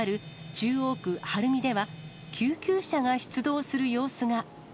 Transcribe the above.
中央区晴海では、救急車が出動する様子が。